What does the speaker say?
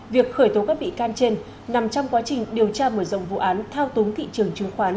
việc khởi tố các bị can trên nằm trong quá trình điều tra mở rộng vụ án thao túng thị trường chứng khoán